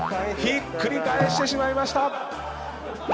ひっくり返してしまいました！